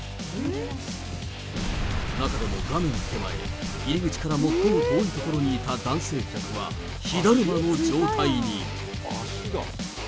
中でも画面手前、入り口から最も遠い所にいた男性客は、火だるまの状態に。